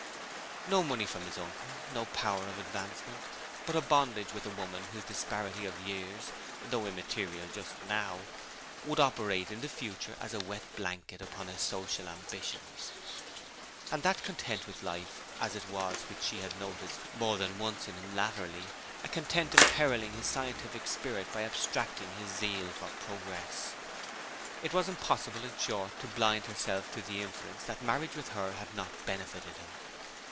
No money from his uncle; no power of advancement; but a bondage with a woman whose disparity of years, though immaterial just now, would operate in the future as a wet blanket upon his social ambitions; and that content with life as it was which she had noticed more than once in him latterly, a content imperilling his scientific spirit by abstracting his zeal for progress. It was impossible, in short, to blind herself to the inference that marriage with her had not benefited him.